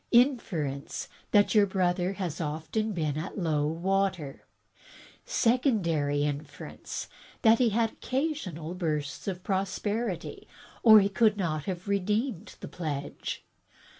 Inference that your brother was often at low water. Secondary inference — that he had occasional bursts of prosperity, or he could not have redeemed the pledge.